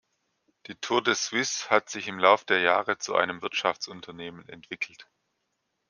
Die Tour de Suisse hat sich im Lauf der Jahre zu einem Wirtschaftsunternehmen entwickelt.